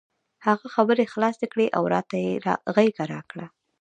هغه خبرې خلاصې کړې او راته یې غېږه راکړه.